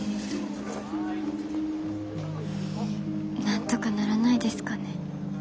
なんとかならないですかね？